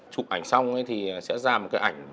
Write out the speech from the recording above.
chụp ảnh xong thì sẽ ra một cái ảnh